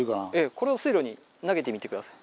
これを水路に投げてみて下さい。